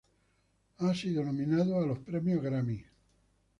Ha sido nominado a los Premios Grammy.